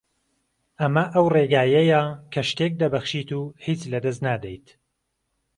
ئەمە ئەو ڕێگایەیە کە شتێک دەبەخشیت و هیچ لەدەست نادەیت